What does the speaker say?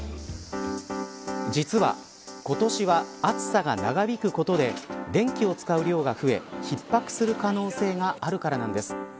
実は今年は暑さが長引くことで電気を使う量が増え逼迫する可能性があるからなんです。